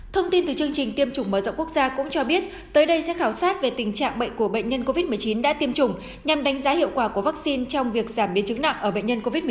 thông tin từ chương trình tiêm chủng mở rộng quốc gia cũng cho biết tới đây sẽ khảo sát về tình trạng bệnh của bệnh nhân covid một mươi chín đã tiêm chủng nhằm đánh giá hiệu quả của vaccine trong việc giảm biến chứng nặng ở bệnh nhân covid một mươi chín